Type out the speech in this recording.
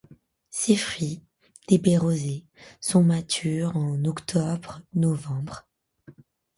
Ses fruits, des baies rosées, sont matures en octobre-novembre.